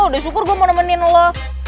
udah syukur gue mau nemenin lo